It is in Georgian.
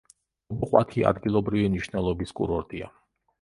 ბობოყვათი ადგილობრივი მნიშვნელობის კურორტია.